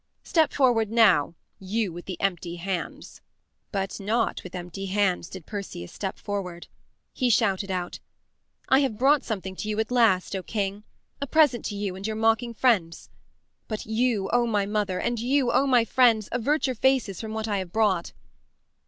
Step forward now, you with the empty hands." But not with empty hands did Perseus step forward. He shouted out: "I have brought something to you at last, O king a present to you and your mocking friends. But you, O my mother, and you, O my friends, avert your faces from what I have brought."